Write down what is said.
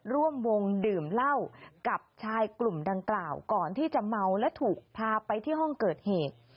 ร่วมวงดื่มเหล้ากับชายกลุ่มดังกล่าวก่อนที่จะเมาและถูกพาไปที่ห้องเกิดเหตุ